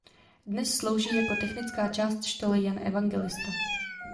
Dnes slouží jako technická část štoly "Jan Evangelista".